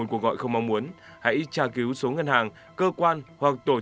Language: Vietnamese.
tôi cần hai mươi thẻ mỗi loại